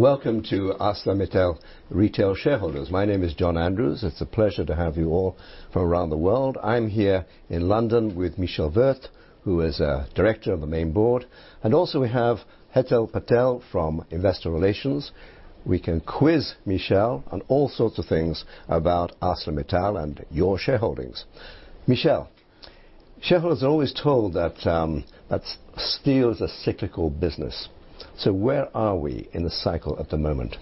Welcome to ArcelorMittal Retail Shareholders. My name is John Andrews. It's a pleasure to have you all from around the world. I'm here in London with Michel Wurth, who is a director of the main board, and also we have Hetal Patel from Investor Relations. We can quiz Michel on all sorts of things about ArcelorMittal and your shareholdings. Michel, shareholders are always told that steel is a cyclical business. Where are we in the cycle at the moment?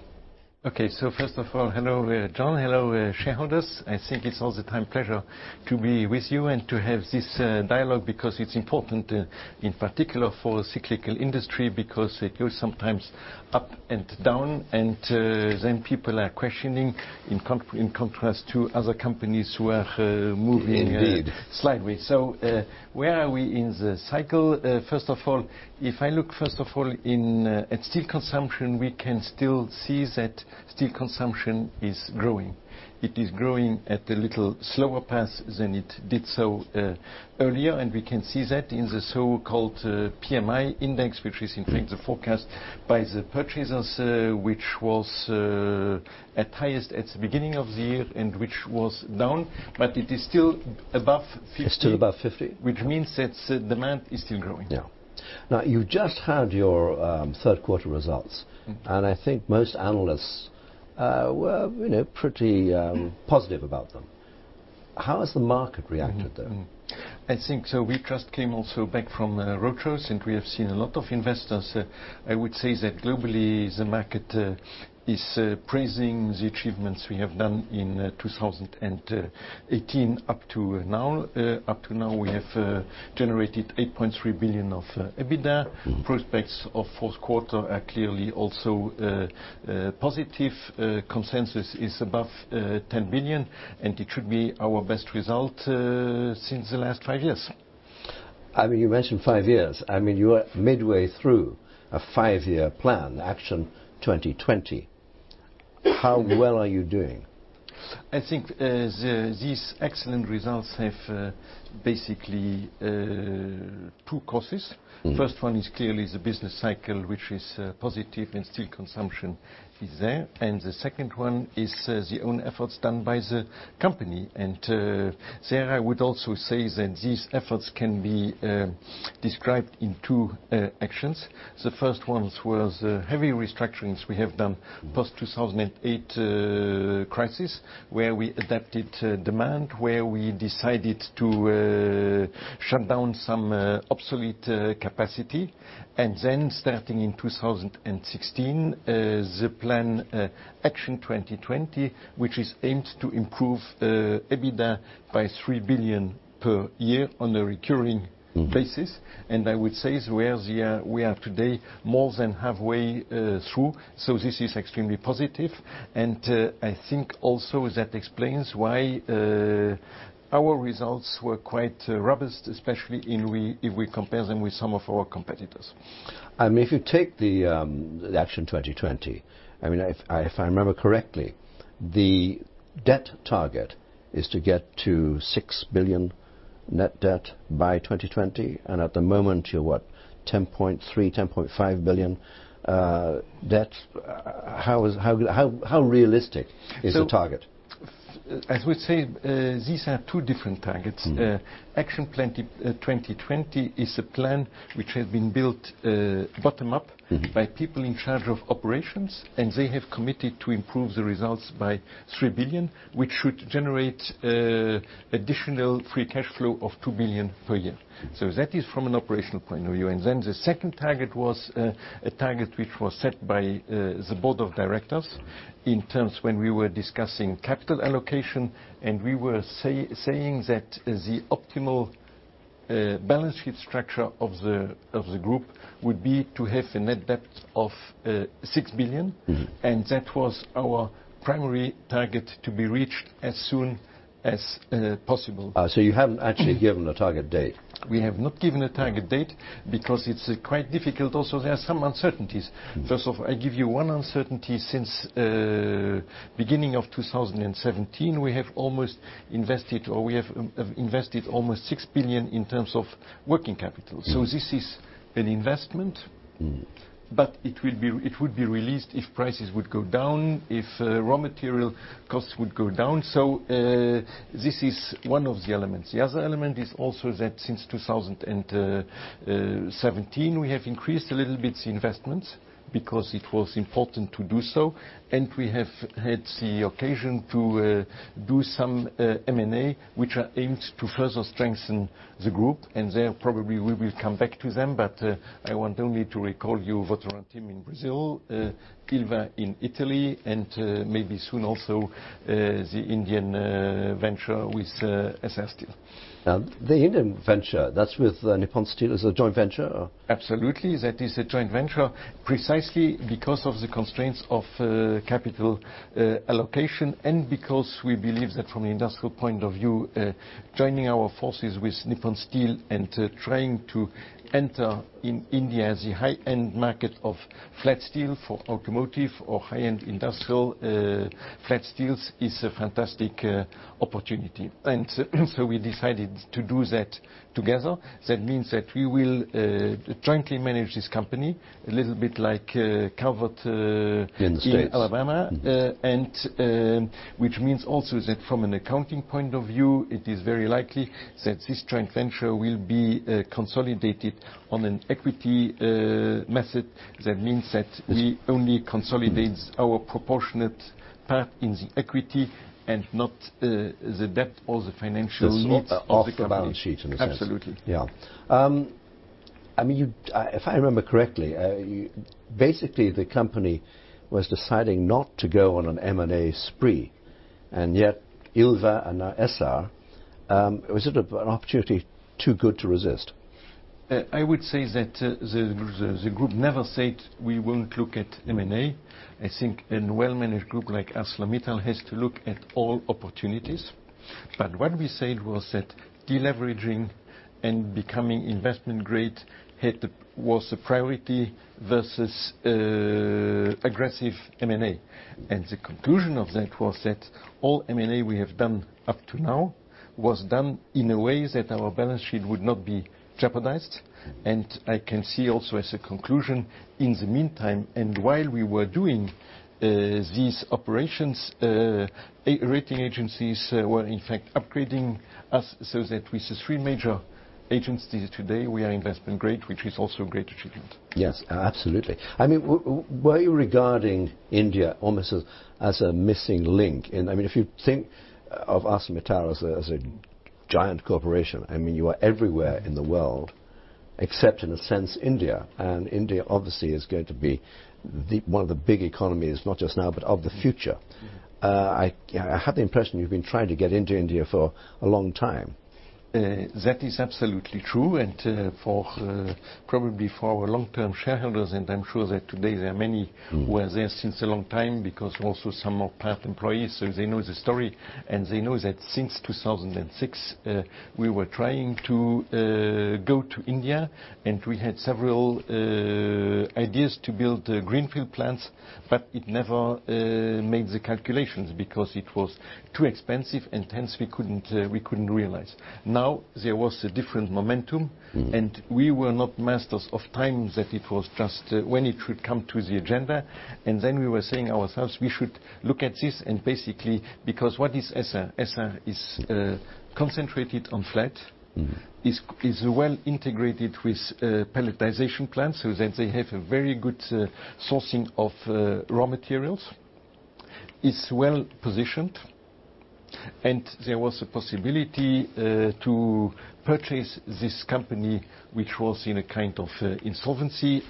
First of all, hello John, hello shareholders. I think it's all the time pleasure to be with you and to have this dialogue because it's important, in particular for a cyclical industry, because it goes sometimes up and down, and then people are questioning, in contrast to other companies who are moving- Indeed ...sideways. Where are we in the cycle? First of all, if I look first of all at steel consumption, we can still see that steel consumption is growing. It is growing at a little slower pace than it did so earlier, and we can see that in the so-called PMI index, which is, in fact, a forecast by the purchasers, which was at highest at the beginning of the year, and which was down, but it is still above 50. It's still above 50. Which means that demand is still growing. Yeah. Now, you just had your third quarter results. I think most analysts were pretty positive about them. How has the market reacted, though? I think, we just came also back from the road shows, and we have seen a lot of investors. I would say that globally, the market is praising the achievements we have done in 2018 up to now. Up to now, we have generated $8.3 billion of EBITDA. Prospects of fourth quarter are clearly also positive. Consensus is above $10 billion, it should be our best result since the last five years. You mentioned five years. You are midway through a five-year plan, Action 2020. How well are you doing? I think these excellent results have basically two causes. First one is clearly the business cycle, which is positive and steel consumption is there. The second one is the own efforts done by the company. There, I would also say that these efforts can be described in two actions. The first ones was heavy restructurings we have done post-2008 crisis, where we adapted demand, where we decided to shut down some obsolete capacity. Then starting in 2016, the plan Action 2020, which is aimed to improve EBITDA by $3 billion per year on a recurring basis. I would say as where we are today, more than halfway through, this is extremely positive. I think also that explains why our results were quite robust, especially if we compare them with some of our competitors. If you take the Action 2020, if I remember correctly, the debt target is to get to $6 billion net debt by 2020, and at the moment, you're what? $10.3 billion, $10.5 billion debt. How realistic is the target? I would say these are two different targets. Action 2020 is a plan which has been built bottom up. By people in charge of operations, they have committed to improve the results by $3 billion, which should generate additional free cash flow of $2 billion per year. That is from an operational point of view. The second target was a target which was set by the board of directors in terms when we were discussing capital allocation, we were saying that the optimal balance sheet structure of the group would be to have a net debt of $6 billion. That was our primary target to be reached as soon as possible. You haven't actually given a target date? We have not given a target date because it's quite difficult. Also, there are some uncertainties. First of, I give you one uncertainty. Since beginning of 2017, we have invested almost $6 billion in terms of working capital. This is an investment. It would be released if prices would go down, if raw material costs would go down. This is one of the elements. The other element is also that since 2017, we have increased a little bit investments because it was important to do so, and we have had the occasion to do some M&A, which are aimed to further strengthen the group, and there probably we will come back to them, but I want only to recall you Votorantim in Brazil, Ilva in Italy, and maybe soon also the Indian venture with Essar Steel. Now, the Indian venture, that's with Nippon Steel, is a joint venture or? Absolutely. That is a joint venture precisely because of the constraints of capital allocation and because we believe that from an industrial point of view, joining our forces with Nippon Steel and trying to enter in India the high-end market of flat steel for automotive or high-end industrial flat steels is a fantastic opportunity. We decided to do that together. That means that we will jointly manage this company a little bit like Calvert In the U.S. ...in Alabama. Which means also that from an accounting point of view, it is very likely that this joint venture will be consolidated on an equity method. That means that we only consolidate our proportionate part in the equity and not the debt or the financials Not off the balance sheet, in a sense. Absolutely. Yeah. If I remember correctly, basically the company was deciding not to go on an M&A spree, and yet Ilva and now Essar, was it an opportunity too good to resist? I would say that the group never said we won't look at M&A. I think a well-managed group like ArcelorMittal has to look at all opportunities. What we said was that de-leveraging and becoming investment grade was a priority versus aggressive M&A. The conclusion of that was that all M&A we have done up to now was done in a way that our balance sheet would not be jeopardized. I can see also as a conclusion, in the meantime, and while we were doing these operations, rating agencies were in fact upgrading us so that with the three major agencies today, we are investment grade, which is also a great achievement. Yes, absolutely. Were you regarding India almost as a missing link in, if you think of ArcelorMittal as a giant corporation, you are everywhere in the world except, in a sense, India. India obviously is going to be one of the big economies, not just now, but of the future. I have the impression you've been trying to get into India for a long time. That is absolutely true, and probably for our long-term shareholders, and I'm sure that today there are many who are there since a long time, because also some are part employees, so they know the story, and they know that since 2006, we were trying to go to India and we had several ideas to build greenfield plants, but it never made the calculations because it was too expensive and hence we couldn't realize. Now, there was a different momentum, and we were not masters of time, that it was just when it would come to the agenda. Then we were saying ourselves, we should look at this and basically, because what is Essar? Essar is concentrated on flat, is well integrated with pelletization plants, so that they have a very good sourcing of raw materials, is well-positioned, there was a possibility to purchase this company, which was in a kind of insolvency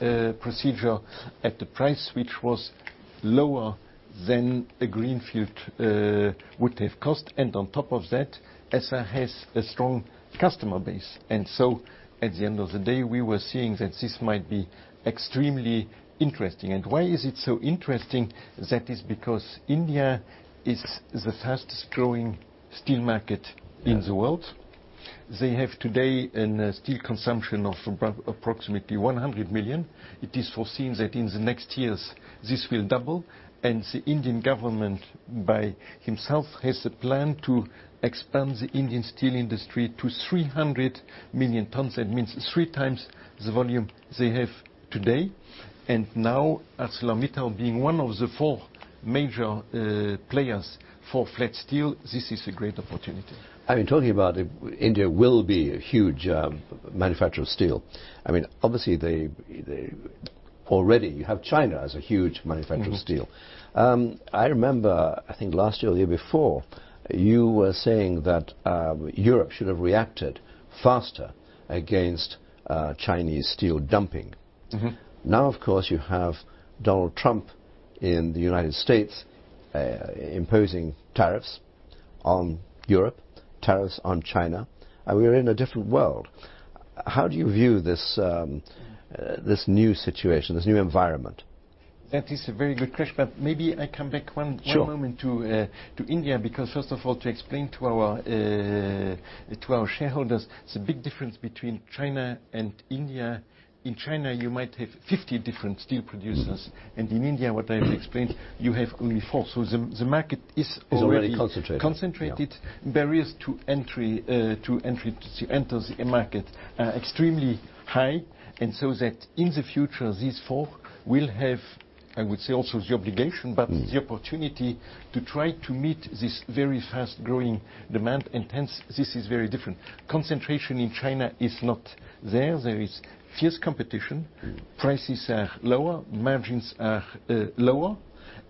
procedure at the price, which was lower than a greenfield would have cost, on top of that, Essar has a strong customer base. So at the end of the day, we were seeing that this might be extremely interesting. Why is it so interesting? That is because India is the fastest growing steel market in the world. They have today a steel consumption of approximately 100 million. It is foreseen that in the next years this will double, and the Indian government by himself has a plan to expand the Indian steel industry to 300 million tons. That means three times the volume they have today. Now ArcelorMittal being one of the four major players for flat steel, this is a great opportunity. Talking about India will be a huge manufacturer of steel. Obviously already you have China as a huge manufacturer of steel. I remember, I think last year or the year before, you were saying that Europe should have reacted faster against Chinese steel dumping. Now, of course, you have Donald Trump in the United States imposing tariffs on Europe, tariffs on China. We are in a different world. How do you view this new situation, this new environment? That is a very good question. Maybe I come back one moment to India, because first of all, to explain to our shareholders, it's a big difference between China and India. In China, you might have 50 different steel producers, and in India, what I've explained, you have only four. The market is already- Is already concentrated. ...concentrated. Barriers to enter the market are extremely high. So that in the future, these four will have, I would say also the obligation, the opportunity to try to meet this very fast-growing demand, hence this is very different. Concentration in China is not there. There is fierce competition. Prices are lower, margins are lower,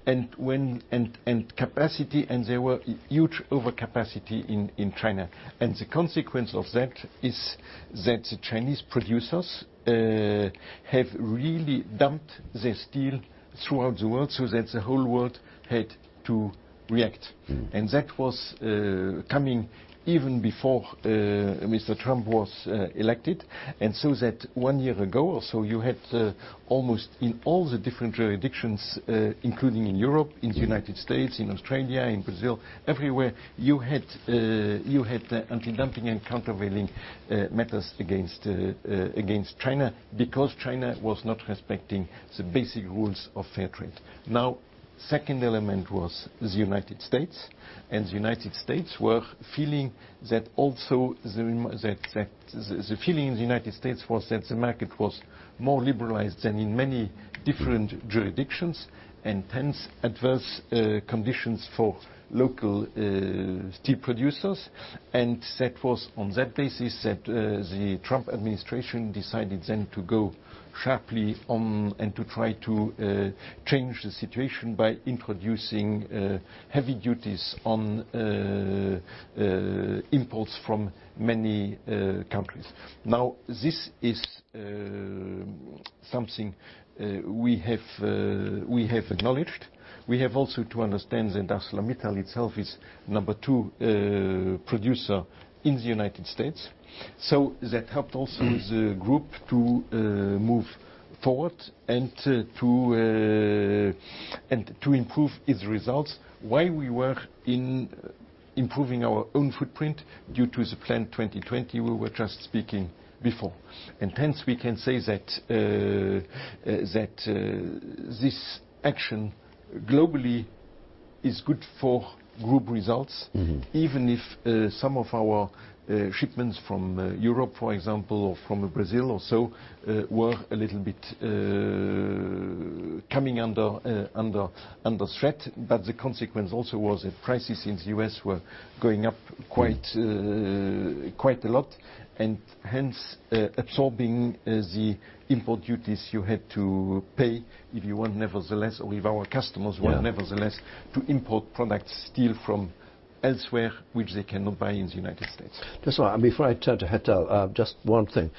and capacity. There were huge overcapacity in China. The consequence of that is that the Chinese producers have really dumped their steel throughout the world so that the whole world had to react. That was coming even before Mr. Trump was elected. So that one year ago or so, you had almost in all the different jurisdictions, including in Europe, in the United States, in Australia, in Brazil, everywhere you had the anti-dumping and countervailing measures against China because China was not respecting the basic rules of fair trade. Second element was the United States. The United States were feeling that also the feeling in the United States was that the market was more liberalized than in many different jurisdictions, hence adverse conditions for local steel producers. That was on that basis that the Trump administration decided to go sharply on and to try to change the situation by introducing heavy duties on imports from many countries. This is something we have acknowledged. We have also to understand that ArcelorMittal itself is number 2 producer in the United States. That helped also the group to move forward and to improve its results while we were improving our own footprint due to the Action 2020 we were just speaking before. Hence, we can say that this action globally is good for group results, even if some of our shipments from Europe, for example, or from Brazil or so, were a little bit coming under threat. The consequence also was that prices in the U.S. were going up quite a lot, and hence absorbing the import duties you had to pay if you want nevertheless, or if our customers want nevertheless to import steel products from elsewhere, which they cannot buy in the United States. That's right. Before I turn to Hetal, just one thing.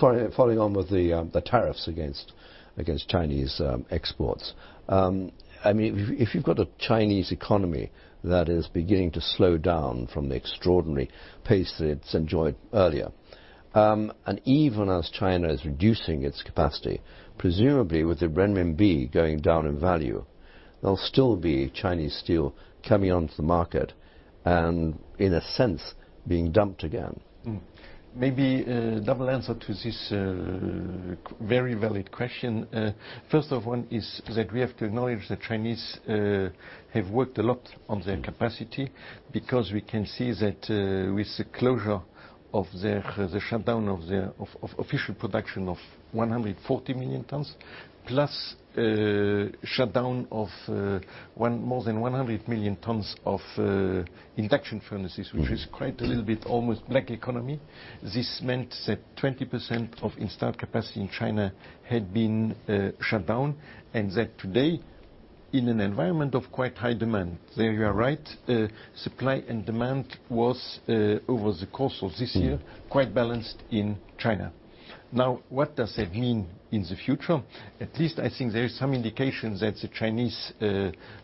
Following on with the tariffs against Chinese exports. If you've got a Chinese economy that is beginning to slow down from the extraordinary pace that it's enjoyed earlier, and even as China is reducing its capacity, presumably with the renminbi going down in value, there'll still be Chinese steel coming onto the market and in a sense being dumped again. Maybe a double answer to this very valid question. First of one is that we have to acknowledge the Chinese have worked a lot on their capacity because we can see that with the shutdown of official production of 140 million tons, plus shutdown of more than 100 million tons of induction furnaces, which is quite a little bit almost black economy. This meant that 20% of installed capacity in China had been shut down, and that today, in an environment of quite high demand, there you are right, supply and demand was over the course of this year, quite balanced in China. What does that mean in the future? At least I think there is some indication that the Chinese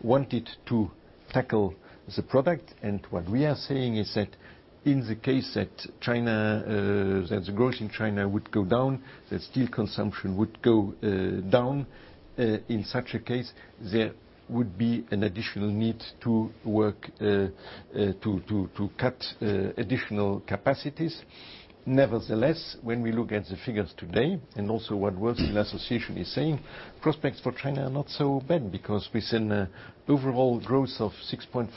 wanted to tackle the product. What we are saying is that in the case that the growth in China would go down, that steel consumption would go down, in such a case, there would be an additional need to cut additional capacities. Nevertheless, when we look at the figures today, and also what World Steel Association is saying, prospects for China are not so bad because we see an overall growth of 6.5%.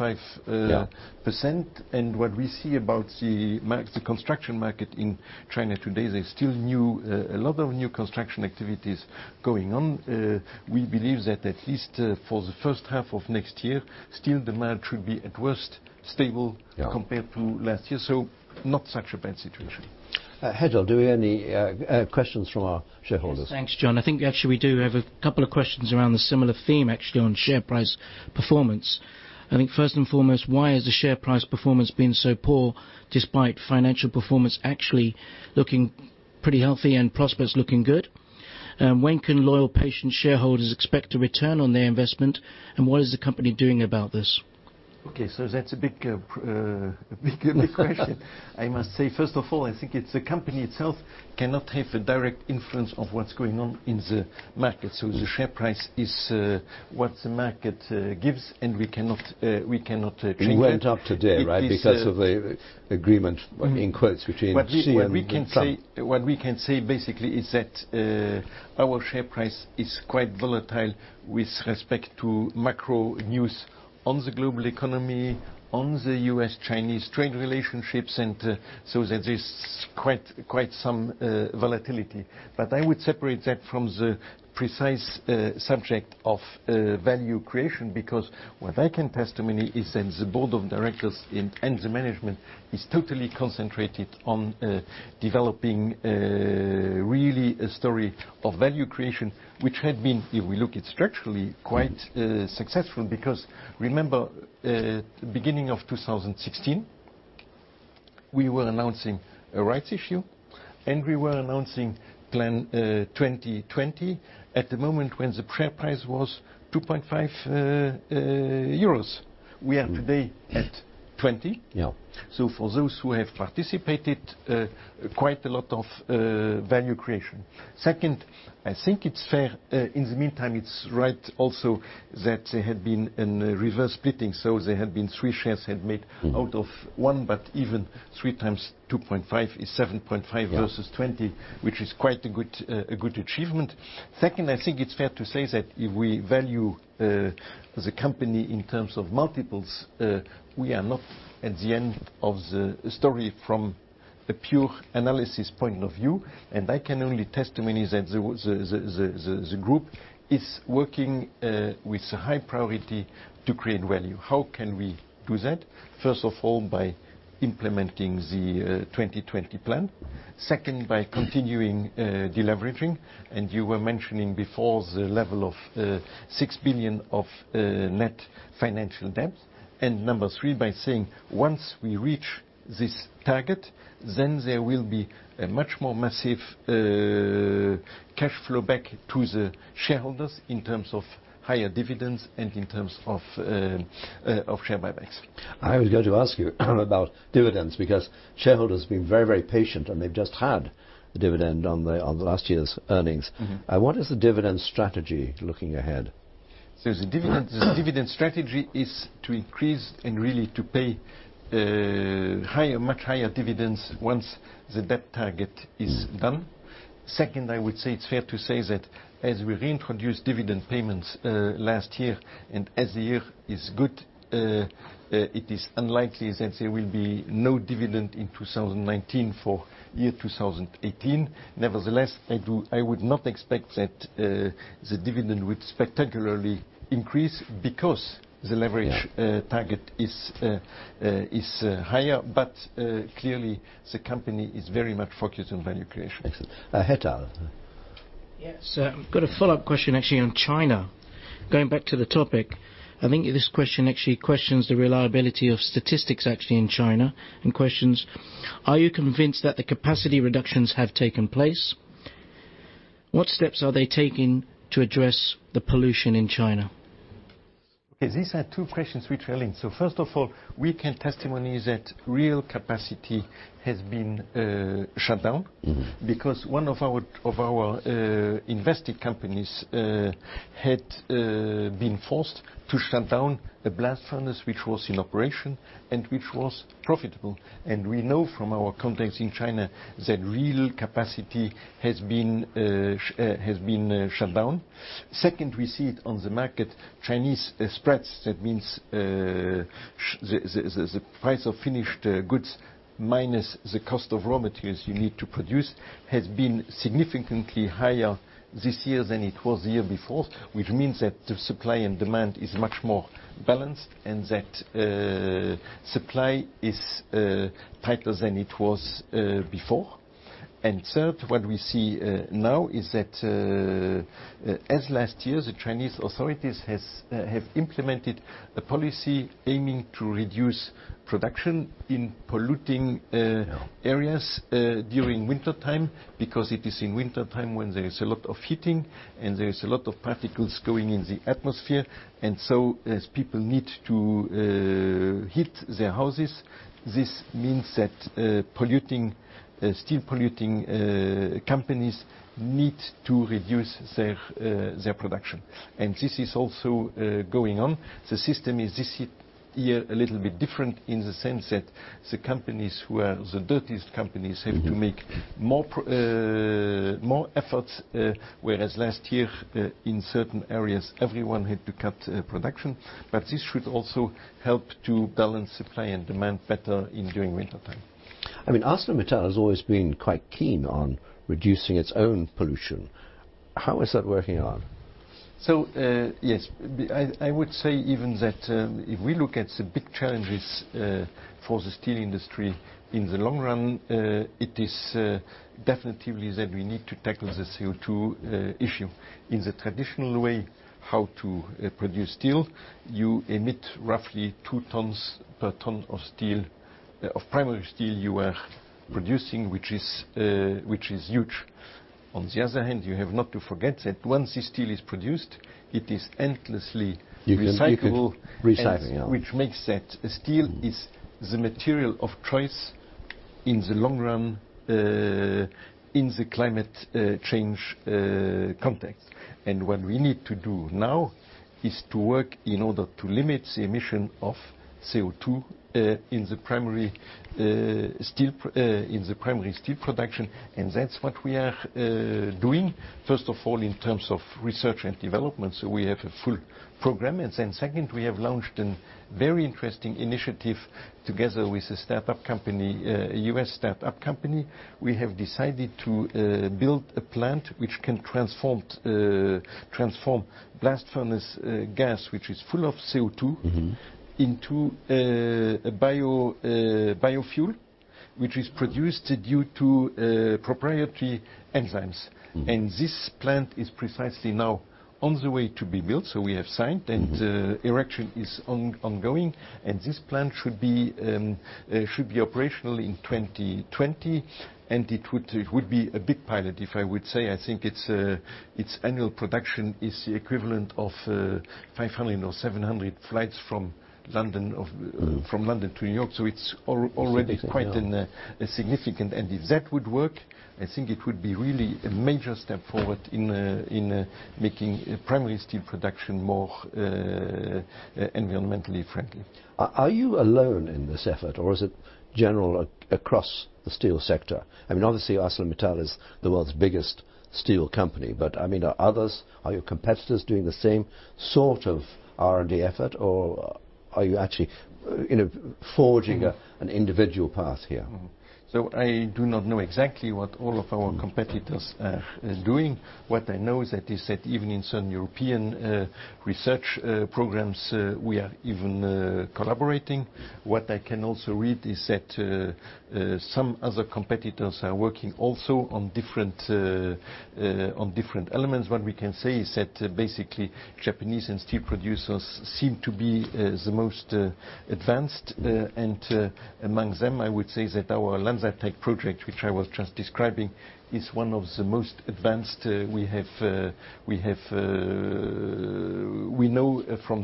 Yeah What we see about the construction market in China today, there's still a lot of new construction activities going on. We believe that at least for the first half of next year, steel demand should be at worst stable. Yeah compared to last year. Not such a bad situation. Hetal, do we have any questions from our shareholders? Yes. Thanks, John. I think actually we do have a couple of questions around a similar theme, actually, on share price performance. I think first and foremost, why has the share price performance been so poor despite financial performance actually looking pretty healthy and prosperous, looking good? When can loyal patient shareholders expect a return on their investment? What is the company doing about this? Okay, that's a big question, I must say. First of all, I think it's the company itself cannot have a direct influence of what's going on in the market. The share price is what the market gives, and we cannot change that. It went up today, right? Because of the agreement in quotes between Xi and Trump. What we can say basically is that our share price is quite volatile with respect to macro news on the global economy, on the U.S.-Chinese trade relationships, there's quite some volatility. I would separate that from the precise subject of value creation, because what I can testimony is that the board of directors and the management is totally concentrated on developing really a story of value creation, which had been, if we look it structurally, quite successful. Remember, beginning of 2016, we were announcing a rights issue, and we were announcing Action 2020 at the moment when the share price was 2.5 euros. We are today at 20. Yeah. For those who have participated, quite a lot of value creation. Second, I think it's fair, in the meantime, it's right also that there had been a reverse splitting, there had been three shares had made out of one, but even three times 2.5 is 7.5 versus 20, which is quite a good achievement. Second, I think it's fair to say that if we value the company in terms of multiples, we are not at the end of the story from a pure analysis point of view, and I can only testimony that the group is working with high priority to create value. How can we do that? First of all, by implementing the 2020 plan. Second, by continuing deleveraging, and you were mentioning before the level of $6 billion of net financial debt. number 3, by saying once we reach this target, then there will be a much more massive cash flow back to the shareholders in terms of higher dividends and in terms of share buybacks. I was going to ask you about dividends, because shareholders have been very, very patient, and they've just had the dividend on the last year's earnings. What is the dividend strategy looking ahead? The dividend strategy is to increase and really to pay much higher dividends once the debt target is done. Second, I would say it's fair to say that as we reintroduced dividend payments last year, and as the year is good, it is unlikely that there will be no dividend in 2019 for year 2018. Nevertheless, I would not expect that the dividend would spectacularly increase because the target is higher, clearly the company is very much focused on value creation. Excellent. Hetal? Yes. I've got a follow-up question actually on China. Going back to the topic, I think this question actually questions the reliability of statistics actually in China and questions, are you convinced that the capacity reductions have taken place? What steps are they taking to address the pollution in China? Okay, these are two questions which are linked. First of all, we can testimony that real capacity has been shut down. One of our invested companies had been forced to shut down a blast furnace, which was in operation and which was profitable. We know from our contacts in China that real capacity has been shut down. Second, we see it on the market, Chinese spreads, that means the price of finished goods minus the cost of raw materials you need to produce, has been significantly higher this year than it was the year before, which means that the supply and demand is much more balanced and that supply is tighter than it was before. Third, what we see now is that, as last year, the Chinese authorities have implemented a policy aiming to reduce production in polluting- Yeah areas during wintertime, because it is in wintertime when there is a lot of heating and there is a lot of particles going in the atmosphere. As people need to heat their houses, this means that steel polluting companies need to reduce their production. This is also going on. The system is this year a little bit different in the sense that the companies who are the dirtiest companies have to make more efforts, whereas last year, in certain areas, everyone had to cut production. This should also help to balance supply and demand better during wintertime. ArcelorMittal has always been quite keen on reducing its own pollution. How is that working out? Yes. I would say even that if we look at the big challenges for the steel industry in the long run, it is definitively that we need to tackle the CO2 issue. In the traditional way how to produce steel, you emit roughly two tons per ton of primary steel you are producing, which is huge. On the other hand, you have not to forget that once the steel is produced, it is endlessly recyclable- You can recycle, yeah which makes that steel is the material of choice in the long run, in the climate change context. What we need to do now is to work in order to limit the emission of CO2 in the primary steel production, and that's what we are doing, first of all, in terms of research and development. We have a full program. Second, we have launched a very interesting initiative together with a U.S. startup company. We have decided to build a plant which can transform blast furnace gas, which is full of CO2, into biofuel, which is produced due to proprietary enzymes. This plant is precisely now on the way to be built. We have signed, and erection is ongoing. This plant should be operational in 2020. It would be a big pilot if I would say, I think its annual production is the equivalent of 500 or 700 flights from London to New York, so it's already quite significant. If that would work, I think it would be really a major step forward in making primary steel production more environmentally friendly. Are you alone in this effort or is it general across the steel sector? Obviously, ArcelorMittal is the world's biggest steel company, are your competitors doing the same sort of R&D effort, or are you actually forging an individual path here? I do not know exactly what all of our competitors are doing. What I know is that even in some European research programs, we are even collaborating. What I can also read is that some other competitors are working also on different elements. What we can say is that basically Japanese and steel producers seem to be the most advanced, and among them, I would say that our LanzaTech project, which I was just describing, is one of the most advanced we know from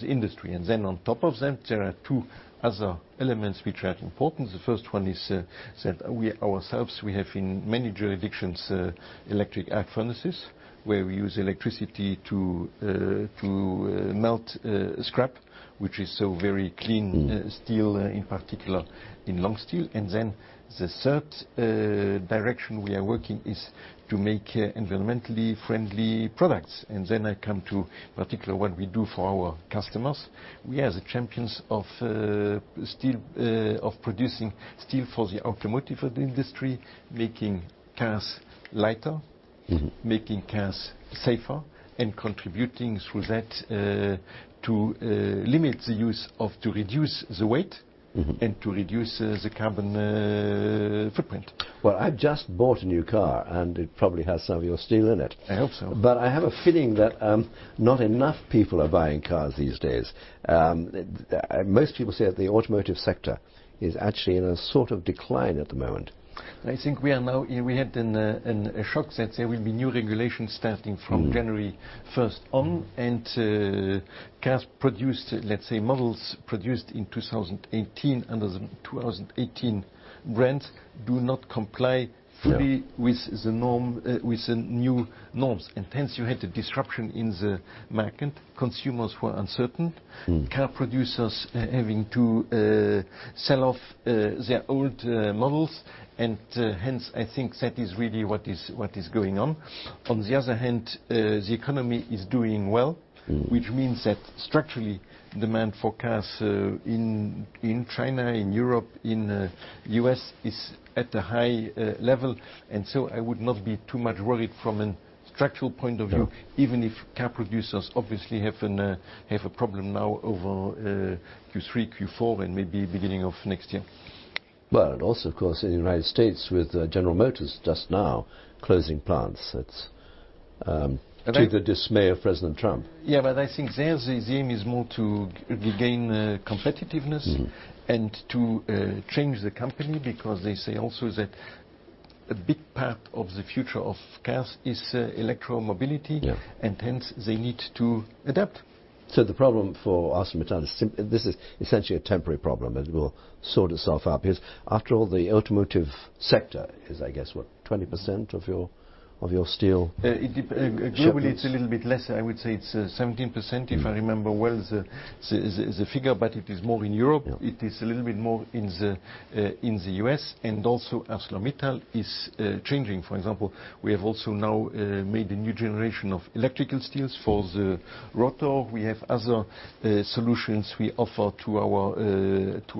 the industry. There are two other elements which are important. The first one is that we ourselves have, in many jurisdictions, electric arc furnaces where we use electricity to melt scrap, which is so very clean steel, in particular in long steel. The third direction we are working is to make environmentally friendly products. I come to particular what we do for our customers. We are the champions of producing steel for the automotive industry, making cars lighter, making cars safer, and contributing through that to reduce the weight and to reduce the carbon footprint. I just bought a new car, and it probably has some of your steel in it. I hope so. I have a feeling that not enough people are buying cars these days. Most people say that the automotive sector is actually in a sort of decline at the moment. I think we had a shock that there will be new regulations starting from January 1st on, and cars produced, let's say, models produced in 2018 under the 2018 brands do not comply fully with the new norms. Hence you had a disruption in the market. Consumers were uncertain. Car producers are having to sell off their old models, and hence I think that is really what is going on. On the other hand, the economy is doing well, which means that structurally, demand for cars in China, in Europe, in the U.S. is at a high level. So I would not be too much worried from a structural point of view, even if car producers obviously have a problem now over Q3, Q4, and maybe beginning of next year. Well, and also, of course, in the United States with General Motors just now closing plants, to the dismay of President Trump. Yeah, I think there, the aim is more to regain competitiveness and to change the company because they say also that a big part of the future of cars is electro-mobility. Yeah. Hence they need to adapt. The problem for ArcelorMittal, this is essentially a temporary problem that will sort itself out because after all, the automotive sector is, I guess, what, 20% of your steel shipments? Globally, it's a little bit less. I would say it's 17%, if I remember well the figure, but it is more in Europe. Yeah. It is a little bit more in the U.S. ArcelorMittal is changing. For example, we have also now made a new generation of electrical steels for the rotor. We have other solutions we offer to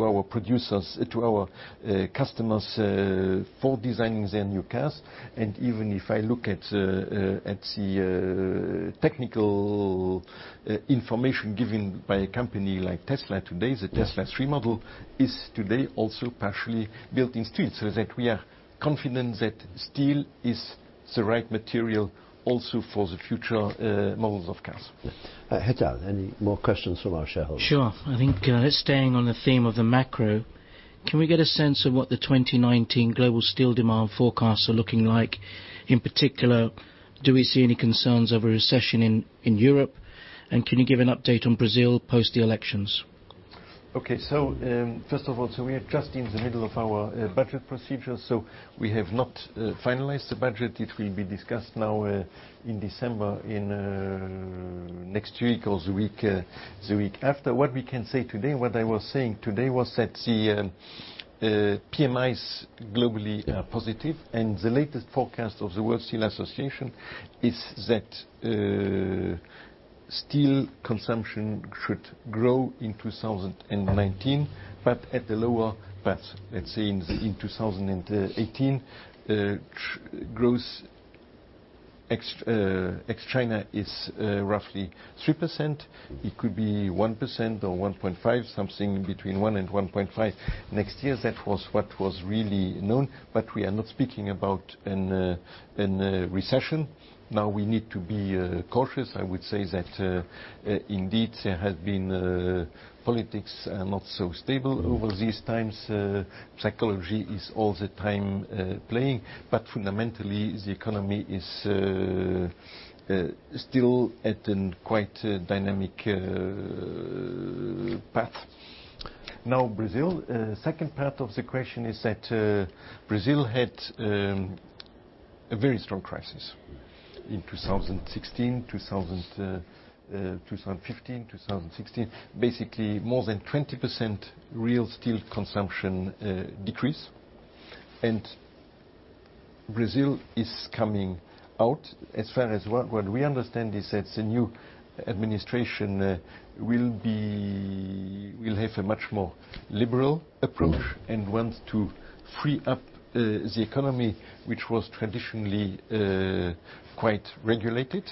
our producers, to our customers for designing their new cars. Even if I look at the technical information given by a company like Tesla today, the Tesla Model 3 is today also partially built in steel so that we are confident that steel is the right material also for the future models of cars. Hetal, any more questions from our shareholders? Sure. I think, just staying on the theme of the macro, can we get a sense of what the 2019 global steel demand forecasts are looking like? In particular, do we see any concerns of a recession in Europe? Can you give an update on Brazil post the elections? Okay, first of all, we are just in the middle of our budget procedure, we have not finalized the budget. It will be discussed now in December, in next week or the week after. What we can say today, what I was saying today was that the PMIs globally are positive, the latest forecast of the World Steel Association is that steel consumption should grow in 2019, but at the lower pace. Let's say in 2018, growth ex China is roughly 3%. It could be 1% or 1.5%, something between 1% and 1.5% next year. That was what was really known, we are not speaking about a recession. We need to be cautious. I would say that indeed there has been politics are not so stable over these times. Psychology is all the time playing, fundamentally, the economy is still at a quite dynamic path. Brazil. Second part of the question is that Brazil had a very strong crisis in 2015, 2016. Basically, more than 20% real steel consumption decrease. Brazil is coming out. As far as what we understand is that the new administration will have a much more liberal approach and want to free up the economy, which was traditionally quite regulated.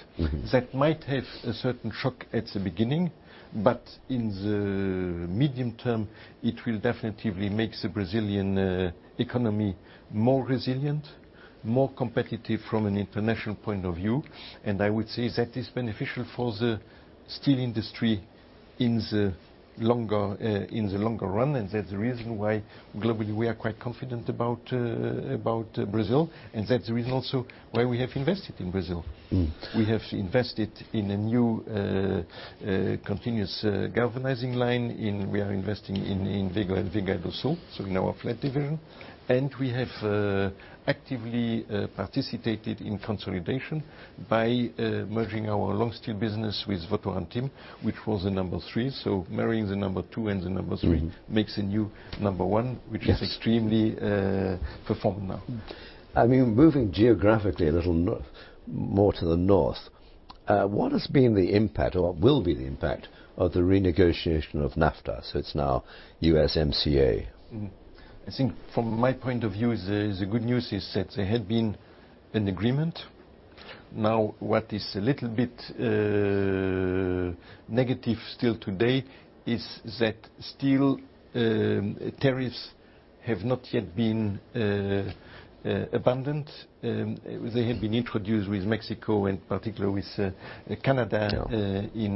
That might have a certain shock at the beginning, but in the medium term, it will definitely make the Brazilian economy more resilient, more competitive from an international point of view. I would say that is beneficial for the steel industry in the longer run. That's the reason why globally we are quite confident about Brazil. That's the reason also why we have invested in Brazil. We have invested in a new continuous galvanizing line. We are investing in Vega and Vega do Sul, so in our flat division. We have actively participated in consolidation by merging our long steel business with Votorantim, which was the number three. Marrying the number two and the number three makes a new number one- Yes which is extremely performing now. Moving geographically a little more to the north, what has been the impact or what will be the impact of the renegotiation of NAFTA, so it's now USMCA? I think from my point of view, the good news is that there had been an agreement. What is a little bit negative still today is that steel tariffs have not yet been abandoned. They had been introduced with Mexico and particularly with Canada. Yeah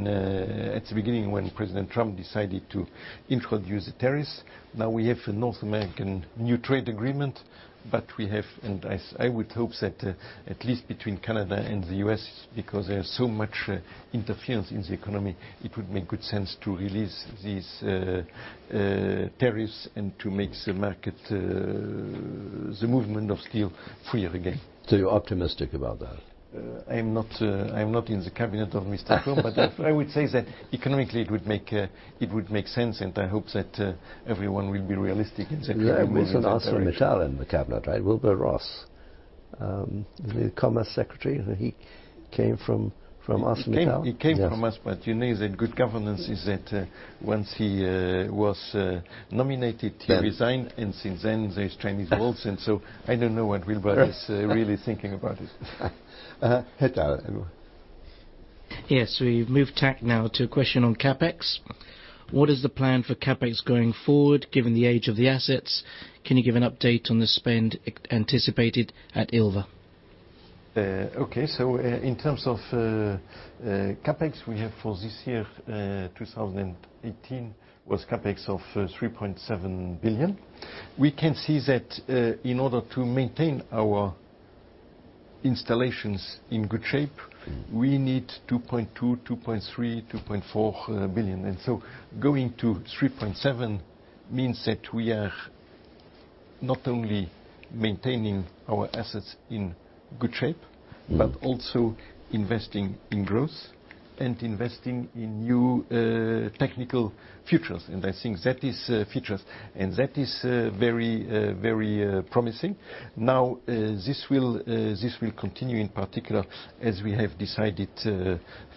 at the beginning when President Trump decided to introduce the tariffs. We have a North American new trade agreement, we have, and I would hope that at least between Canada and the U.S. because there are so much interference in the economy, it would make good sense to release these tariffs and to make the market, the movement of steel freer again. You're optimistic about that? I'm not in the cabinet of Mr. Trump. I would say that economically it would make sense, and I hope that everyone will be realistic in the coming months. There is an ArcelorMittal in the cabinet, right? Wilbur Ross, the Commerce Secretary, he came from ArcelorMittal. He came from us. Yes. You know that good governance is that once he was nominated, he resigned. Since then there's Chinese walls, and so I don't know what Wilbur is really thinking about it. Hetal. Yes. We move tack now to a question on CapEx. What is the plan for CapEx going forward given the age of the assets? Can you give an update on the spend anticipated at Ilva? Okay, in terms of CapEx we have for this year, 2018, was CapEx of $3.7 billion. We can see that in order to maintain our installations in good shape, we need $2.2 billion, $2.3 billion, $2.4 billion. Going to $3.7 billion means that we are not only maintaining our assets in good shape, but also investing in growth and investing in new technical futures. I think that is futures, and that is very promising. Now, this will continue in particular as we have decided,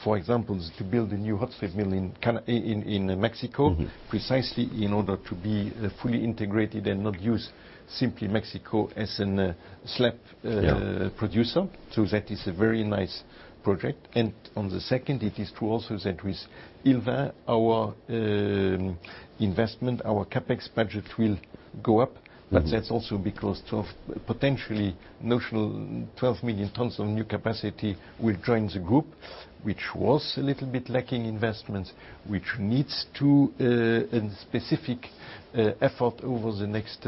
for example, to build a new hot strip mill in Mexico- precisely in order to be fully integrated and not use simply Mexico as a slab producer. Yeah. That is a very nice project. On the second, it is true also that with Ilva, our investment, our CapEx budget will go up. That's also because of potentially notional 12 million tons of new capacity will join the group, which was a little bit lacking investments, which needs to in specific effort over the next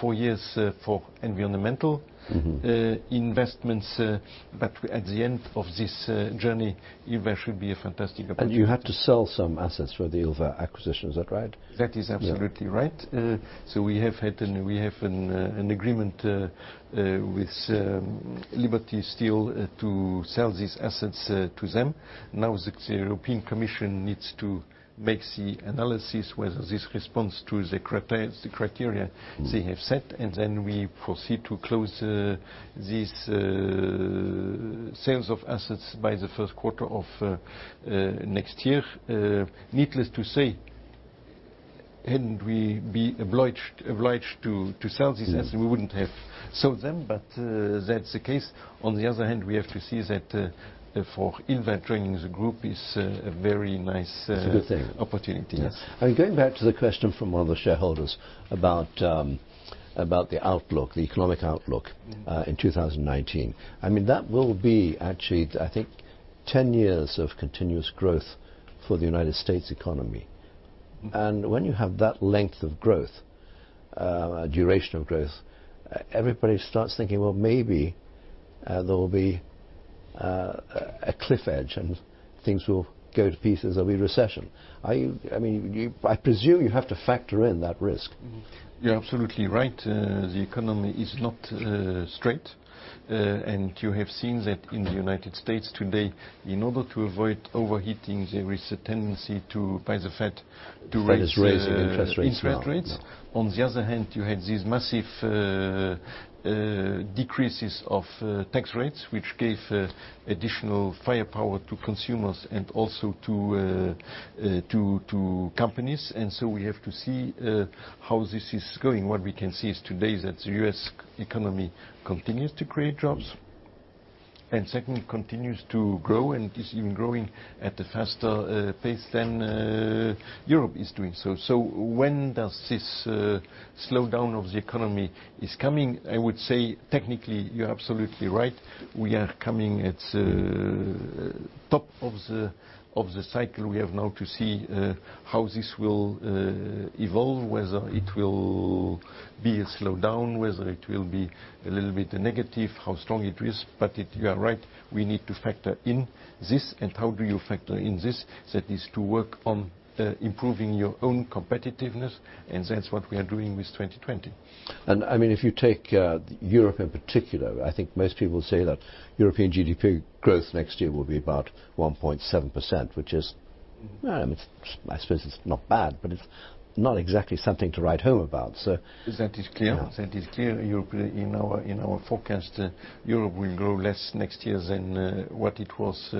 four years for environmental- investments. At the end of this journey, Ilva should be a fantastic opportunity. You had to sell some assets for the Ilva acquisition, is that right? That is absolutely right. Yeah. We have an agreement with Liberty Steel to sell these assets to them. The European Commission needs to make the analysis whether this responds to the criteria they have set, and then we proceed to close these sales of assets by the first quarter of next year. Needless to say, hadn't we be obliged to sell these assets, we wouldn't have sold them. That's the case. On the other hand, we have to see that for Ilva joining the group is a very nice. It's a good thing. opportunity. Yes. Going back to the question from one of the shareholders about the outlook, the economic outlook in 2019. That will be actually, I think, 10 years of continuous growth for the United States economy. When you have that length of growth, duration of growth, everybody starts thinking, "Well, maybe there will be a cliff edge and things will go to pieces. There'll be a recession." I presume you have to factor in that risk. You're absolutely right. The economy is not straight. You have seen that in the United States today, in order to avoid overheating, there is a tendency to, by the Fed, to raise. Fed has raised the interest rates now. interest rates. On the other hand, you had these massive decreases of tax rates, which gave additional firepower to consumers and also to companies. We have to see how this is going. What we can see is today that the U.S. economy continues to create jobs. Second, continues to grow and is even growing at a faster pace than Europe is doing so. When does this slowdown of the economy is coming? I would say technically you are absolutely right. We are coming at the top of the cycle. We have now to see how this will evolve, whether it will be a slowdown, whether it will be a little bit negative, how strong it is. You are right, we need to factor in this. How do you factor in this? That is to work on improving your own competitiveness, and that is what we are doing with 2020. If you take Europe in particular, I think most people say that European GDP growth next year will be about 1.7%, which is, I suppose it is not bad, but it is not exactly something to write home about. That is clear. In our forecast, Europe will grow less next year than what it was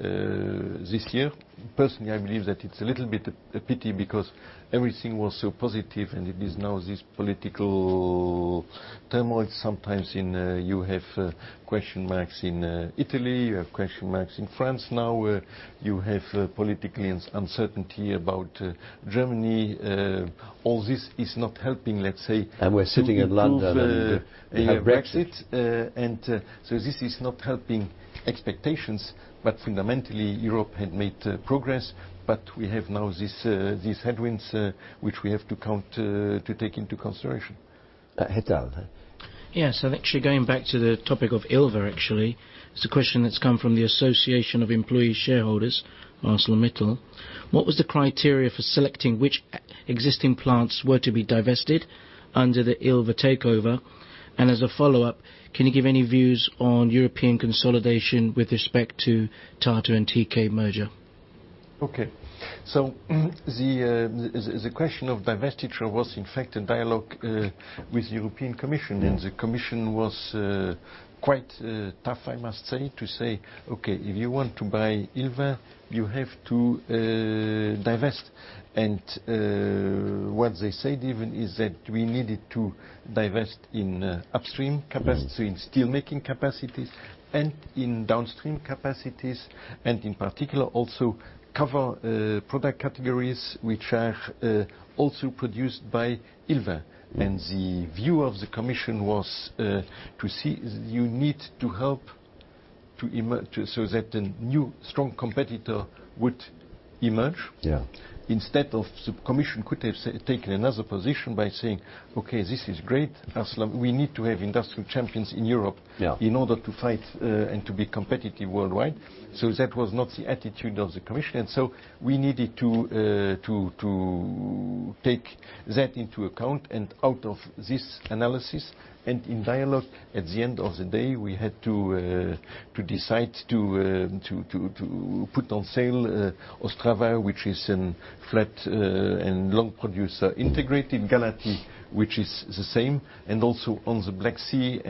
this year. Personally, I believe that it's a little bit a pity because everything was so positive, and it is now this political turmoil sometimes, and you have question marks in Italy, you have question marks in France now. You have political uncertainty about Germany. All this is not helping, let's say, to improve- We're sitting in London, and we have Brexit the Brexit. This is not helping expectations. Fundamentally, Europe had made progress, but we have now these headwinds, which we have to take into consideration. Hetal then. Yes. Going back to the topic of Ilva. It's a question that's come from the Association of Employee Shareholders, ArcelorMittal. What was the criteria for selecting which existing plants were to be divested under the Ilva takeover? As a follow-up, can you give any views on European consolidation with respect to Tata Steel and TK merger? Okay. The question of divestiture was in fact a dialogue with the European Commission. The commission was quite tough, I must say, to say, "Okay, if you want to buy Ilva, you have to divest." What they said even is that we needed to divest in upstream capacity, in steel making capacities and in downstream capacities, in particular, also cover product categories which are also produced by Ilva. The view of the commission was you need to help so that a new strong competitor would emerge. Yeah. Instead, the commission could have taken another position by saying, "Okay, this is great, Arcelor. We need to have industrial champions in Europe- Yeah in order to fight and to be competitive worldwide." That was not the attitude of the commission. We needed to take that into account and out of this analysis and in dialogue, at the end of the day, we had to decide to put on sale Ostrava, which is in flat steel and long steel producer integrated, Galati, which is the same, also on the Black Sea,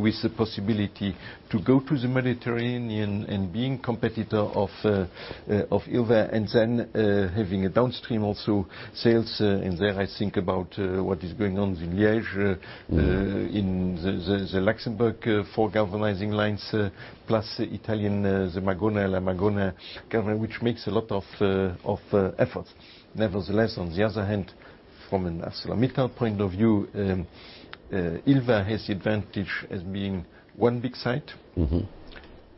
with the possibility to go to the Mediterranean and being competitor of Ilva, then having a downstream also sales. There I think about what is going on in Liege, in Luxembourg for galvanizing lines, plus Italian, LIBERTY Magona, which makes a lot of efforts. Nevertheless, on the other hand, from an ArcelorMittal point of view, Ilva has the advantage as being one big site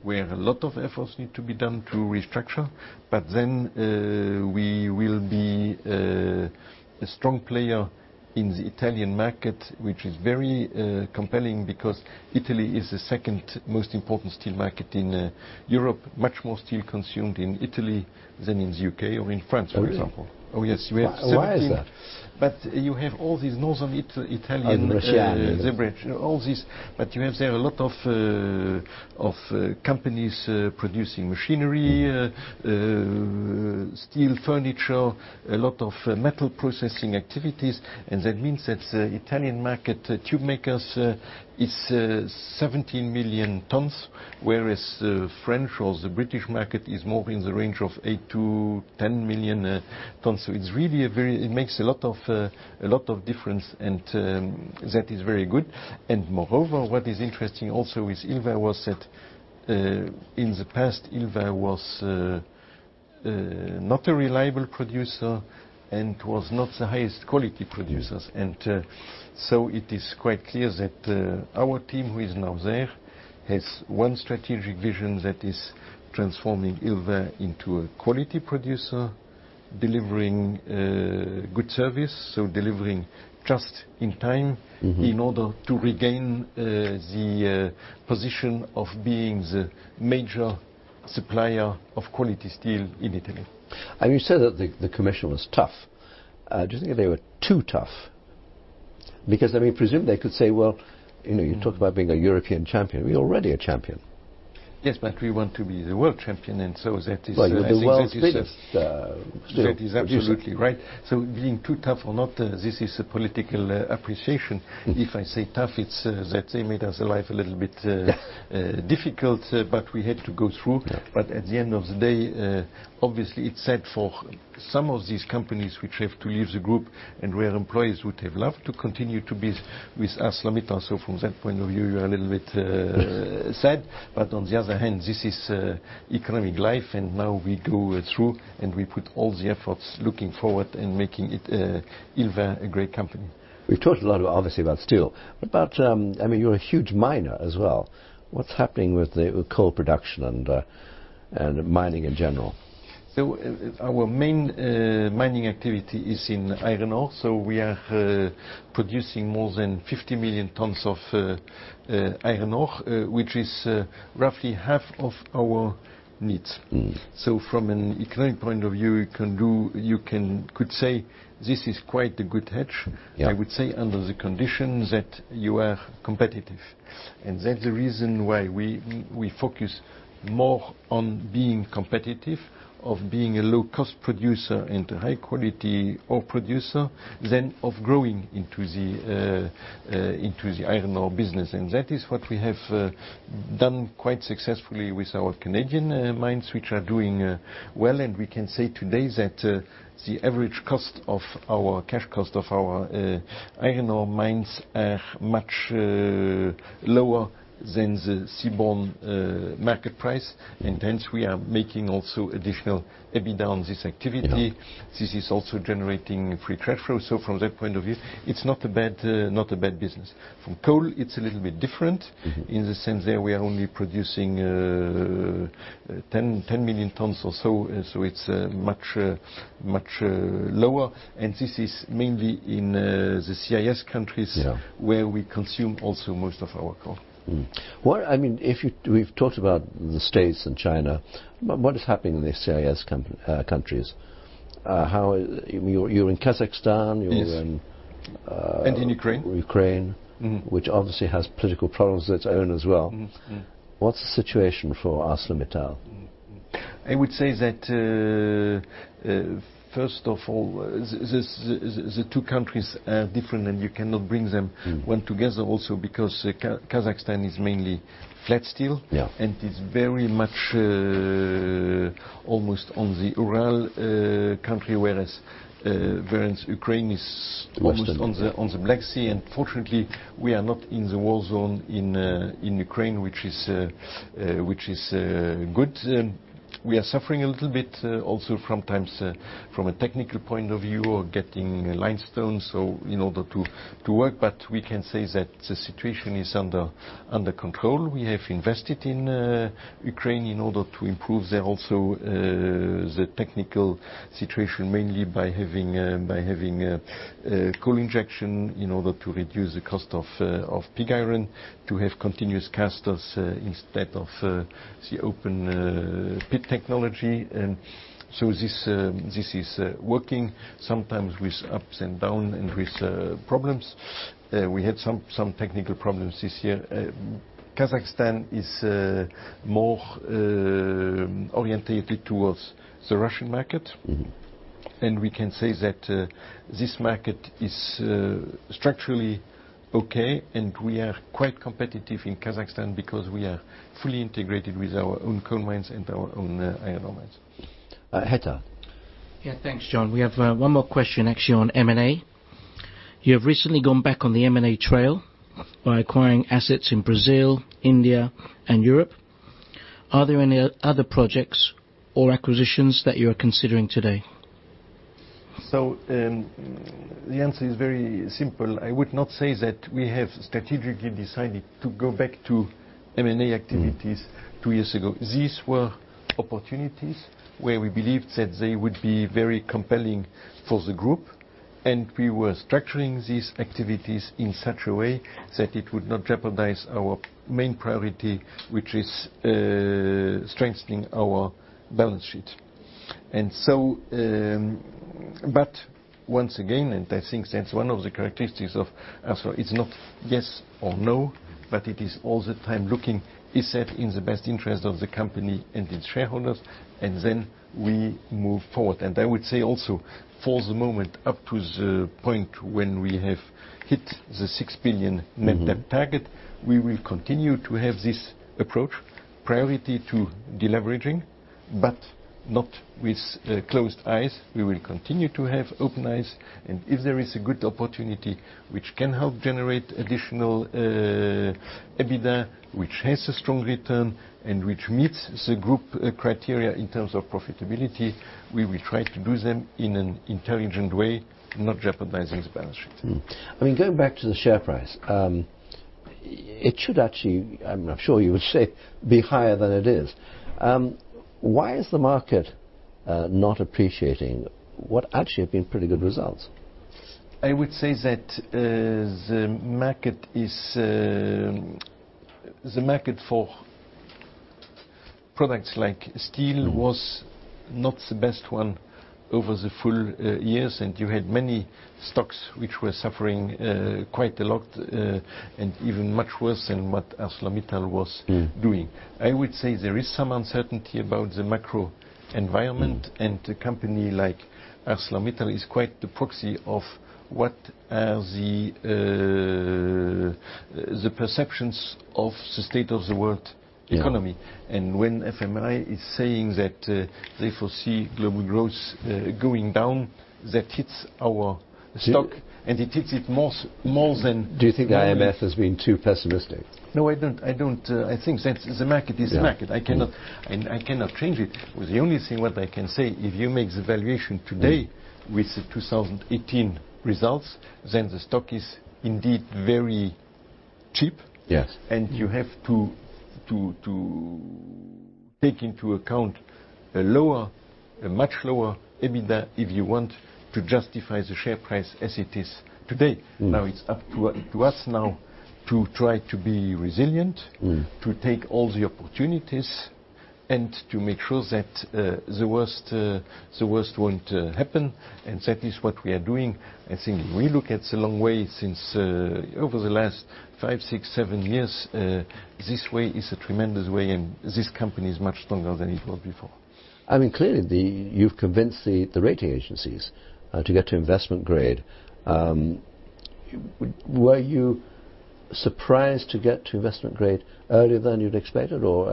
where a lot of efforts need to be done to restructure, but then we will be a strong player in the Italian market, which is very compelling because Italy is the second most important steel market in Europe. Much more steel consumed in Italy than in the U.K. or in France, for example. Oh, really? Oh, yes. We have 17- Why is that? You have all these northern Italian- Machinery. all these. You have there a lot of companies producing machinery, steel furniture, a lot of metal processing activities. That means that the Italian market tube makers is 17 million tons, whereas the French or the British market is more in the range of 8-10 million tons. It makes a lot of difference, and that is very good. Moreover, what is interesting also with Ilva was that in the past, Ilva was not a reliable producer and was not the highest quality producers. It is quite clear that our team who is now there has one strategic vision that is transforming Ilva into a quality producer, delivering good service, so delivering just in time in order to regain the position of being the major supplier of quality steel in Italy. You said that the Commission was tough. Do you think they were too tough? I presume they could say, "Well, you talk about being a European champion. We're already a champion. Yes, but we want to be the world champion. that is. Well, you're the world's biggest steel producer. that is absolutely right. Being too tough or not, this is a political appreciation. If I say tough, it's that they made us life a little bit difficult, but we had to go through. Yeah. At the end of the day, obviously it's sad for some of these companies which have to leave the group, and where employees would have loved to continue to be with ArcelorMittal. From that point of view, you're a little bit sad. On the other hand, this is economic life, and now we go through, and we put all the efforts looking forward and making it, Ilva, a great company. We've talked a lot obviously about steel. You're a huge miner as well. What's happening with the coal production and mining in general? Our main mining activity is in iron ore. We are producing more than 50 million tons of iron ore, which is roughly half of our needs. From an economic point of view, you could say this is quite a good hedge. Yeah. I would say under the condition that you are competitive. That's the reason why we focus more on being competitive, of being a low-cost producer and a high-quality ore producer, than of growing into the iron ore business. That is what we have done quite successfully with our Canadian mines, which are doing well. We can say today that the average cash cost of our iron ore mines are much lower than the seaborne market price. Hence we are making also additional EBITDA on this activity. Yeah. This is also generating free cash flow. From that point of view, it's not a bad business. From coal, it's a little bit different. In the sense there we are only producing 10 million tons or so. It's much lower. This is mainly in the CIS countries- Yeah where we consume also most of our coal. We've talked about the States and China. What is happening in the CIS countries? You're in Kazakhstan, you're in- Yes. In Ukraine Ukraine. Which obviously has political problems of its own as well. What's the situation for ArcelorMittal? I would say that, first of all, the two countries are different, and you cannot bring them one together also because Kazakhstan is mainly flat steel. Yeah. It's very much almost on the Ural country, whereas Ukraine is almost The western on the Black Sea, and fortunately, we are not in the war zone in Ukraine, which is good. We are suffering a little bit also sometimes from a technical point of view or getting limestone in order to work, but we can say that the situation is under control. We have invested in Ukraine in order to improve also the technical situation, mainly by having pulverized coal injection in order to reduce the cost of pig iron, to have continuous casters instead of the open hearth technology. This is working, sometimes with ups and down and with problems. We had some technical problems this year. Kazakhstan is more orientated towards the Russian market. We can say that this market is structurally okay, and we are quite competitive in Kazakhstan because we are fully integrated with our own coal mines and our own iron ore mines. Hetal? Thanks, John. We have one more question, actually, on M&A. You have recently gone back on the M&A trail by acquiring assets in Brazil, India, and Europe. Are there any other projects or acquisitions that you're considering today? The answer is very simple. I would not say that we have strategically decided to go back to M&A activities two years ago. These were opportunities where we believed that they would be very compelling for the group, we were structuring these activities in such a way that it would not jeopardize our main priority, which is strengthening our balance sheet. Once again, I think that's one of the characteristics of Arcelor, it's not yes or no, it is all the time looking is that in the best interest of the company and its shareholders, we move forward. I would say also, for the moment, up to the point when we have hit the 6 billion net debt target, we will continue to have this approach, priority to deleveraging, but not with closed eyes. We will continue to have open eyes, if there is a good opportunity which can help generate additional EBITDA, which has a strong return, which meets the group criteria in terms of profitability, we will try to do them in an intelligent way, not jeopardizing the balance sheet. Going back to the share price. It should actually, I'm sure you would say, be higher than it is. Why is the market not appreciating what actually have been pretty good results? I would say that the market for steel products like steel was not the best one over the full years, you had many stocks which were suffering quite a lot, even much worse than what ArcelorMittal was doing. I would say there is some uncertainty about the macro environment, a company like ArcelorMittal is quite the proxy of what are the perceptions of the state of the world economy. Yeah. When IMF is saying that they foresee global growth going down, that hits our stock. Yeah. It hits it more than normal. Do you think the IMF is being too pessimistic? No, I don't. I think that the market is the market. Yeah. I cannot change it. The only thing what I can say, if you make the valuation today with the 2018 results, the stock is indeed very cheap. Yes. You have to take into account a much lower EBITDA if you want to justify the share price as it is today. It's up to us now to try to be resilient. To take all the opportunities, to make sure that the worst won't happen, that is what we are doing. I think if we look at the long way since over the last five, six, seven years, this way is a tremendous way this company is much stronger than it was before. I mean, clearly you've convinced the rating agencies to get to investment grade. Were you surprised to get to investment grade earlier than you'd expected, or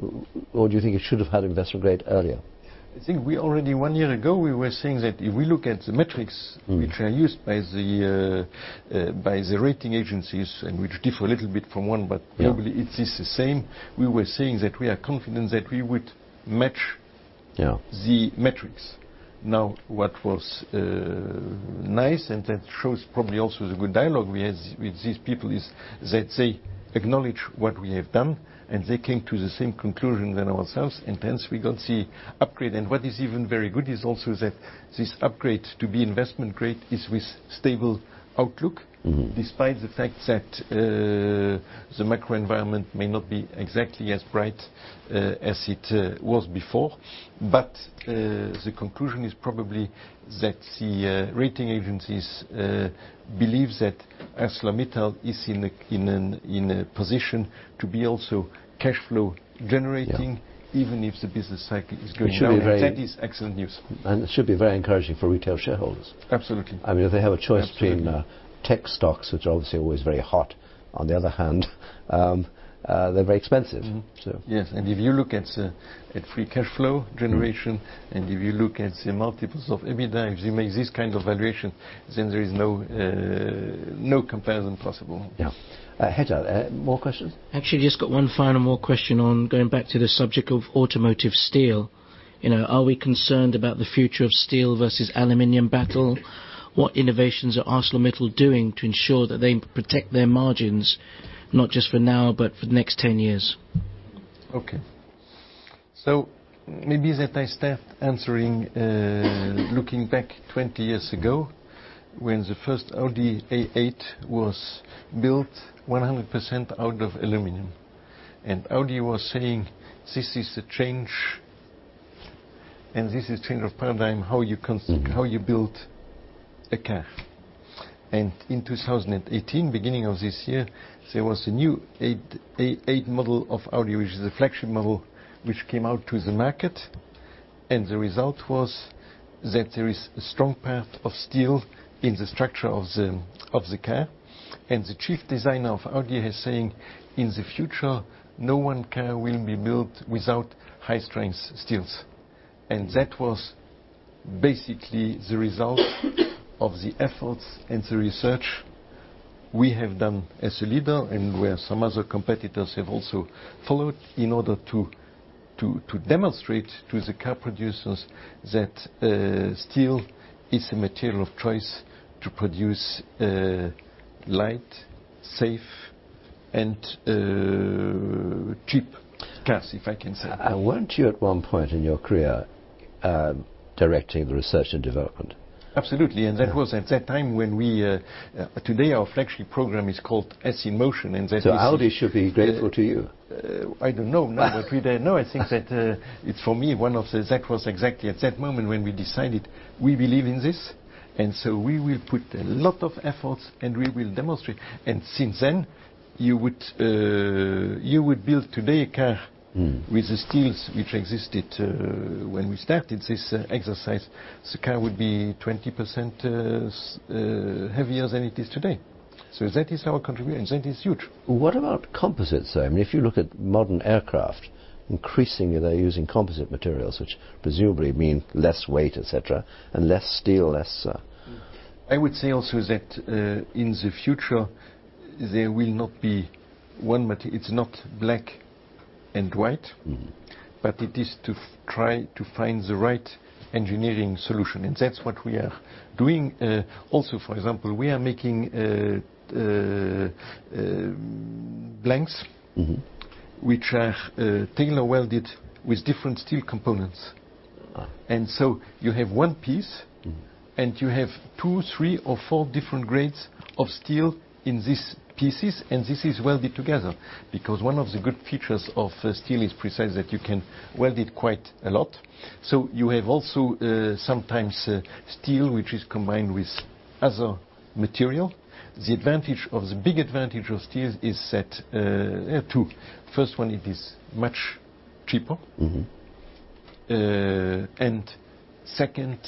do you think you should've had investment grade earlier? I think we already one year ago, we were saying that if we look at the metrics which are used by the rating agencies, which differ a little bit from one, probably it is the same. We were saying that we are confident that we would match- Yeah The metrics. What was nice, that shows probably also the good dialogue we had with these people, is that they acknowledge what we have done, they came to the same conclusion than ourselves, hence we got the upgrade. What is even very good is also that this upgrade to be investment grade is with stable outlook- despite the fact that the macro environment may not be exactly as bright as it was before. The conclusion is probably that the rating agencies believe that ArcelorMittal is in a position to be also cash flow generating. Yeah even if the business cycle is going down. It should be very. That is excellent news. It should be very encouraging for retail shareholders. Absolutely. If they have a choice between tech stocks, which are obviously always very hot, on the other hand, they're very expensive. Mm-hmm. Yes, if you look at free cash flow generation, if you look at the multiples of EBITDA, if you make this kind of valuation, there is no comparison possible. Yeah. Hetal, more questions? Actually, just got one final more question on going back to the subject of automotive steel. Are we concerned about the future of steel versus aluminum battle? What innovations are ArcelorMittal doing to ensure that they protect their margins, not just for now, but for the next 10 years? Okay. Maybe that I start answering looking back 20 years ago, when the first Audi A8 was built 100% out of aluminum. Audi was saying this is the change of paradigm, how you build a car. In 2018, beginning of this year, there was a new A8 model of Audi, which is a flagship model, which came out to the market, and the result was that there is a strong part of steel in the structure of the car. The chief designer of Audi is saying, "In the future, no one car will be built without high-strength steels." That was basically the result of the efforts and the research we have done as a leader, and where some other competitors have also followed, in order to demonstrate to the car producers that steel is the material of choice to produce light, safe, and cheap cars, if I can say. Weren't you at one point in your career directing the research and development? Absolutely, that was at that time when we, today our flagship program is called S-in motion. Audi should be grateful to you. I don't know. No. No, I think that it's for me, that was exactly at that moment when we decided we believe in this, we will put a lot of efforts, we will demonstrate. Since then, you would build today. with the steels which existed when we started this exercise. The car would be 20% heavier than it is today. That is our contribution. That is huge. What about composites, though? If you look at modern aircraft, increasingly they're using composite materials, which presumably mean less weight, et cetera, and less steel. I would say also that in the future there will not be one material. It's not black and white. It is to try to find the right engineering solution, and that's what we are doing. Also, for example, we are making blanks. Which are tailor-welded with different steel components. You have one piece and you have two, three, or four different grades of steel in these pieces, and this is welded together because one of the good features of steel is precisely that you can weld it quite a lot. You have also sometimes steel which is combined with other material. The big advantage of steel is that, two. First one, it is much cheaper. Second,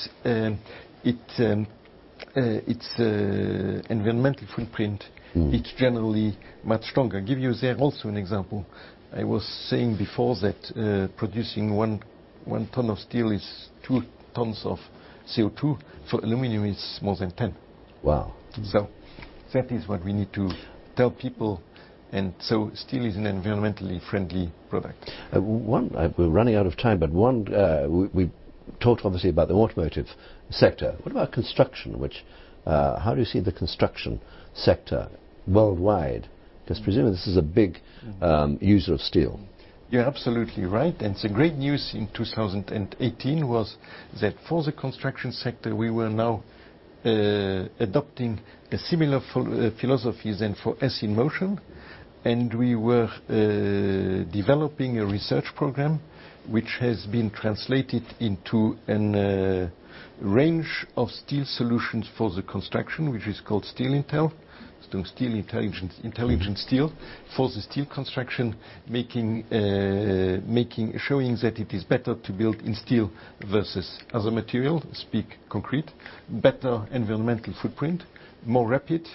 its environmental footprint. It's generally much stronger. Give you there also an example. I was saying before that producing one ton of steel is two tons of CO2. For aluminum, it's more than 10. Wow. That is what we need to tell people. Steel is an environmentally friendly product. We're running out of time, we talked obviously about the automotive sector. What about construction? How do you see the construction sector worldwide? Presumably this is a big user of steel. You're absolutely right. The great news in 2018 was that for the construction sector, we were now adopting a similar philosophy than for S-in motion. We were developing a research program which has been translated into a range of steel solutions for the construction, which is called Steligence, so intelligent steel for the steel construction, showing that it is better to build in steel versus other material, speak concrete, better environmental footprint, more rapid,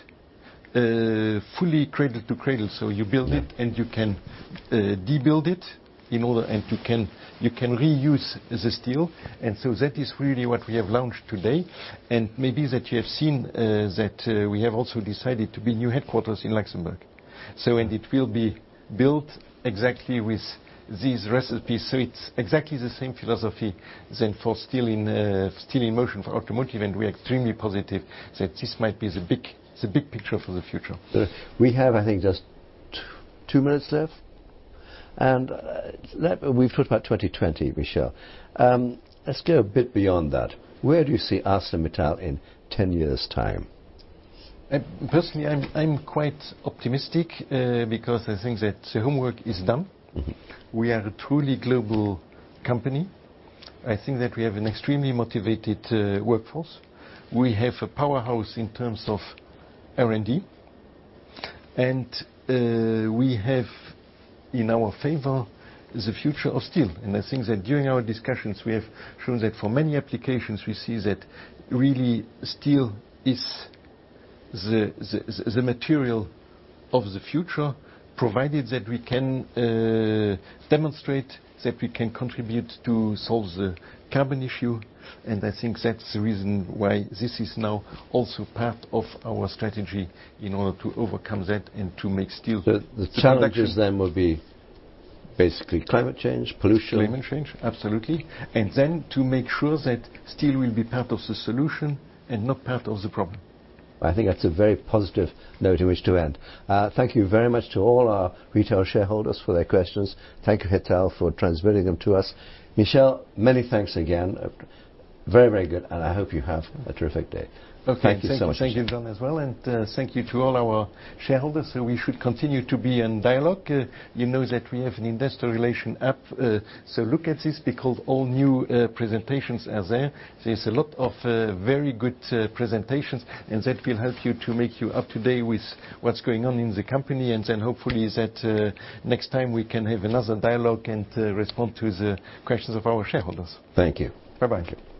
fully cradle to cradle. You build it and you can de-build it, and you can reuse the steel. That is really what we have launched today. Maybe that you have seen that we have also decided to build new headquarters in Luxembourg. It will be built exactly with this recipe. It's exactly the same philosophy than for S-in motion for automotive. We are extremely positive that this might be the big picture for the future. We have, I think, just two minutes left. We've talked about 2020, Michel. Let's go a bit beyond that. Where do you see ArcelorMittal in 10 years' time? Personally, I'm quite optimistic because I think that the homework is done. We are a truly global company. I think that we have an extremely motivated workforce. We have a powerhouse in terms of R&D, and we have in our favor the future of steel. I think that during our discussions, we have shown that for many applications, we see that really steel is the material of the future, provided that we can demonstrate that we can contribute to solve the carbon issue. I think that's the reason why this is now also part of our strategy in order to overcome that and to make steel production- The challenges then will be basically climate change, pollution. Climate change, absolutely. Then to make sure that steel will be part of the solution and not part of the problem. I think that's a very positive note in which to end. Thank you very much to all our retail shareholders for their questions. Thank you, Hetal, for transmitting them to us. Michel, many thanks again. Very, very good. I hope you have a terrific day. Okay. Thank you so much. Thank you, John, as well. Thank you to all our shareholders, so we should continue to be in dialogue. You know that we have an investor relation app. Look at this because all new presentations are there. There's a lot of very good presentations, and that will help you to make you up to date with what's going on in the company. Hopefully that next time we can have another dialogue and respond to the questions of our shareholders. Thank you. Bye-bye. Thank you.